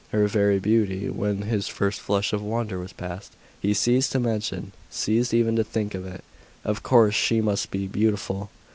Her very beauty, when his first flush of wonder was past, he ceased to mention ceased even to think of it. Of course she must be beautiful.